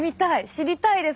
知りたいです。